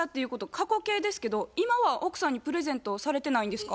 過去形ですけど今は奥さんにプレゼントをされてないんですか？